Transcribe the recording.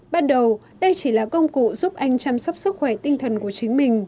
ban đầu đây chỉ là công cụ giúp anh chăm sóc sức khỏe tinh thần của chính mình